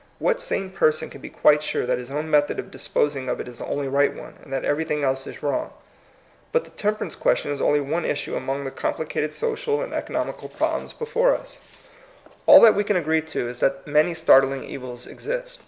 What sane person can be quite sure that his own method of disposing of it is the only right one, and that everything else is wrong? But the temperance ques tion is only one issue among the compli cated social and economical problems before 172 THE COMING PEOPLE. US. All that we can agree to is that many startling eyils exist.